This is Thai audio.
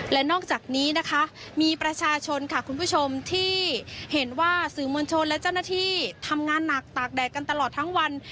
และนอกจากนี้นะคะมีประชาชนค่ะคุณผู้ชมที่เห็นว่าสื่อมวลชนและเจ้าหน้าที่ทำงานหนักตากแดดกันตลอดทั้งวัน